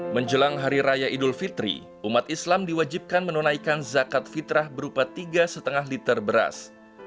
menjelang hari raya idul fitri umat islam diwajibkan menunaikan zakat fitrah berupa tiga lima liter beras